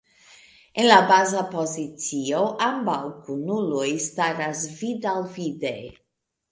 En la baza pozicio ambaŭ kunuloj staras vid-al-vide.